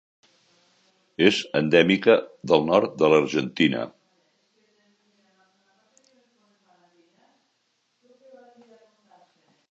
És endèmica del nord de l'Argentina.